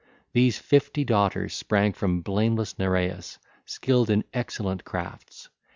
These fifty daughters sprang from blameless Nereus, skilled in excellent crafts.